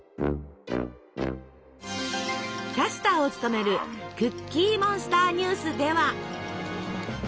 キャスターを務める「クッキーモンスターニュース」では。